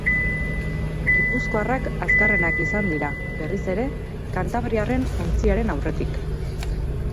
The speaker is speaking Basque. Gipuzkoarrak azkarrenak izan dira, berriz ere, kantabriarren ontziaren aurretik.